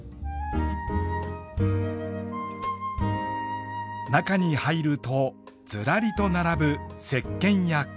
中に入るとずらりと並ぶせっけんやコスメ。